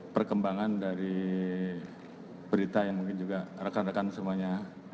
perkembangan dari berita yang mungkin juga rekan rekan semuanya